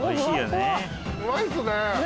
うまいっすね。